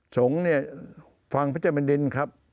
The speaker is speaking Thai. สงฆ์ฟังพระเจ้าบรินทร์ครับ